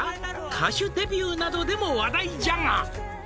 「歌手デビューなどでも話題じゃが」